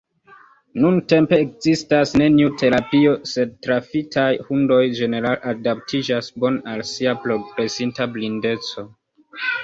Nuntempe ekzistas neniu terapio, sed trafitaj hundoj ĝenerale adaptiĝas bone al sia progresinta blindeco.